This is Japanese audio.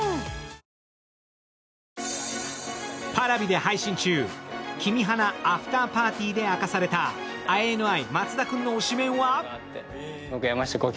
Ｐａｒａｖｉで配信中、君花アフターパーティーで明かされたＩＮＩ、松田君の推しメンは？